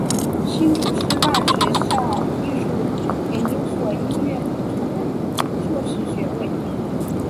新竹师范学校艺术研究所音乐组硕士学位。